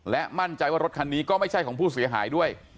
และมั่นใจว่ารถคันนี้ก็ไม่ใช่ของผู้เสียหายด้วย